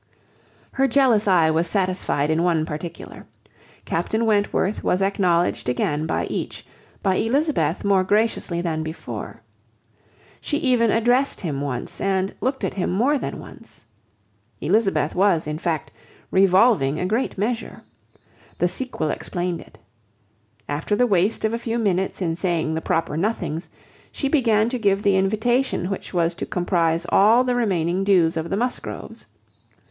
Her jealous eye was satisfied in one particular. Captain Wentworth was acknowledged again by each, by Elizabeth more graciously than before. She even addressed him once, and looked at him more than once. Elizabeth was, in fact, revolving a great measure. The sequel explained it. After the waste of a few minutes in saying the proper nothings, she began to give the invitation which was to comprise all the remaining dues of the Musgroves.